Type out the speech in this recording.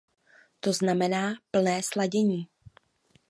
To znamená plné sladění.